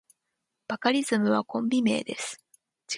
バカリズムはコンビ名です。